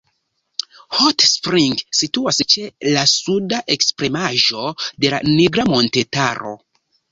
Hot Springs situas ĉe la suda ekstremaĵo de la Nigra montetaro.